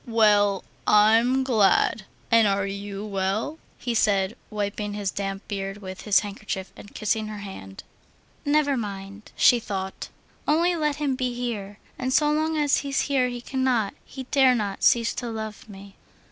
"Well, I'm glad. And are you well?" he said, wiping his damp beard with his handkerchief and kissing her hand. "Never mind," she thought, "only let him be here, and so long as he's here he cannot, he dare not, cease to love me."